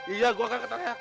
iya gue gak teriak